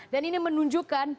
dan ini menunjukkan